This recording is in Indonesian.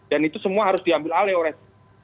dan itu semua harus diambil oleh ores